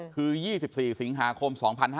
คือ๒๔สิงหาคม๒๕๕๙